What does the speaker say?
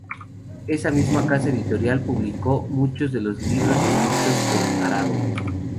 Esa misma casa editorial publicó muchos de los libros escritos por Aragó.